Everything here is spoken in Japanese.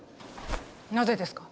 なぜですか？